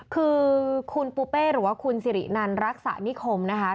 คือคุณปูเป้หรือว่าคุณสิรินันรักษานิคมนะคะ